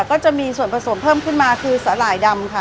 ก็จะมีส่วนผสมเพิ่มขึ้นมาคือสาหร่ายดำค่ะ